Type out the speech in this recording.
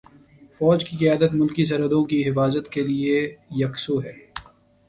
فوج کی قیادت ملکی سرحدوں کی حفاظت کے لیے یکسو ہے۔